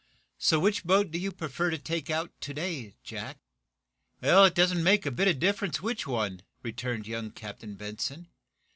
So, which boat do you prefer to take out to day, Jack?" "It doesn't make a bit of difference which one," returned young Captain Benson.